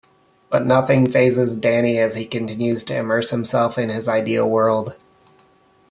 But nothing fazes Danny as he continues to immerse himself in his ideal world.